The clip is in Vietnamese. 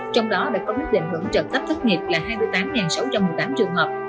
trong đó đã có mức đề nghị hưởng trợ cấp thất nghiệp là hai mươi tám sáu trăm một mươi tám trường hợp